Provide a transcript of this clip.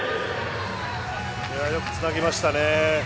よくつなぎましたね。